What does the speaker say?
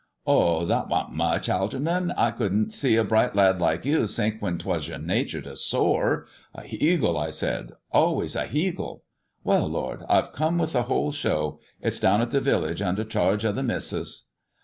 "Oh, that wasn't much, Algeernon. I couldn't see a bright lad like you sink when 'twas your natur' to soar! A heagle, I said, allays a heagle. Well, lord, I've come THE dwarf's chamber 133 with the whole show ; it's down at the village, under charge of the missus."